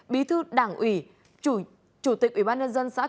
bí thư đảng ủy chủ tịch ủy ban nhân dân xã cửa dương